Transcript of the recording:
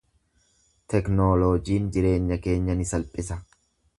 Teknooloojiin jireenya keenya ni salphisa.